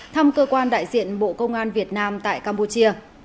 thăm cơ quan đại diện bộ công an việt nam tại campuchia